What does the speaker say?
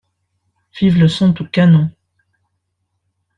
Vive le son du canon!